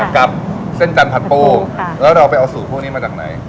กับเส้นจันทัดปูแล้วเราไปเอาสูตรพวกนี้มาจากไหน